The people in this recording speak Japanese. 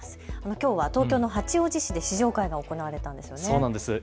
きょうは東京の八王子市で試乗会が行われたんですよね。